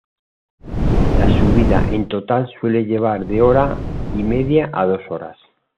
La subida en total suele llevar de hora y media a dos horas.